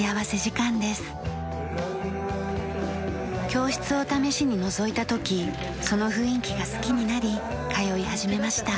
教室を試しにのぞいた時その雰囲気が好きになり通い始めました。